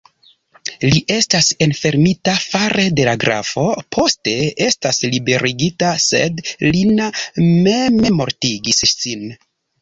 Li estas enfermita fare de la grafo, poste estas liberigita, sed Lina memmortigis sin.